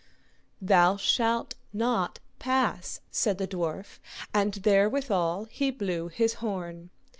Thou shalt not pass, said the dwarf, and therewithal he blew his horn.